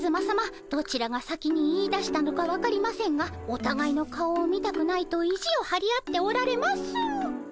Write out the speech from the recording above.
どちらが先に言いだしたのか分かりませんがおたがいの顔を見たくないと意地をはり合っておられます。